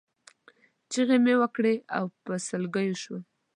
چغې مې وکړې او په سلګیو شوم.